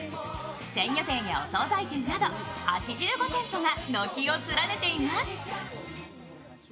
鮮魚店やお惣菜店など８５店舗が軒を連ねています。